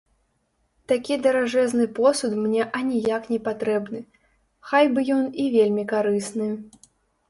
Такі даражэзны посуд мне аніяк непатрэбны, хай бы ён і вельмі карысны.